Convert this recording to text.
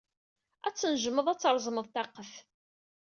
Ad tnejjmed ad treẓmed taqqet.